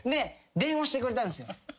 電話してくれたんですよ。